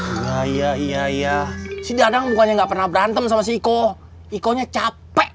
iya iya iya si dadang bukannya gak pernah berantem sama si iko iko nya capek